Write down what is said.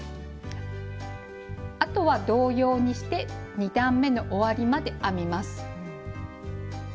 あとは同様にして２段めの終わりまで編みます。